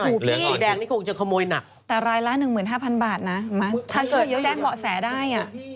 หูพี่ดินแดงนี่คงจะขโมยหนักแต่รายละ๑๕๐๐๐บาทนะมาถ้าเชื่อแจ้งเบาะแสได้